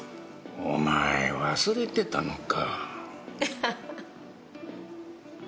お前忘れてたのか。